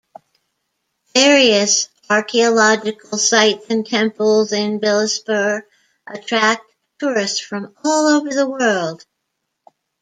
Various archaeological sites and temples in Bilaspur attract tourists from all over the world.